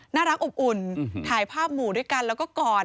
น่ารักอบอุ่นถ่ายภาพหมู่ด้วยกันแล้วก็กอด